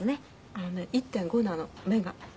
「あのね１．５なの目が」